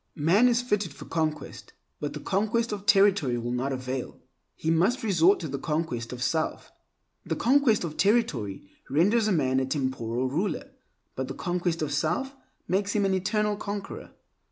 Man is fitted for conquest, but the conquest of territory will not avail; he must resort to the conquest of self. The conquest of territory renders man a temporal ruler, but the conquest of self makes him an eternal conqueror.